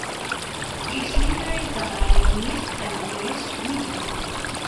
Its leader is the violinist Albrecht Winter.